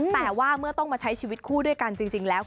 แต่ว่าเมื่อต้องมาใช้ชีวิตคู่ด้วยกันจริงแล้ว